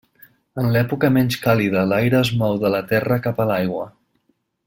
En l'època menys càlida l'aire es mou de la terra cap a l'aigua.